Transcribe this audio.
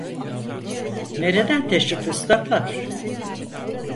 Nereden teşrif, üstatlar?